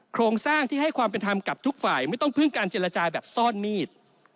โครงสร้างที่ให้ความเป็นธรรมกับทุกฝ่ายไม่ต้องพึ่งการเจรจาแบบซ่อนมีด